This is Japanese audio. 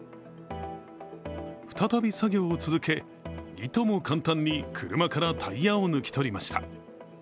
再び作業を続け、いとも簡単に車からタイヤを抜き取りました。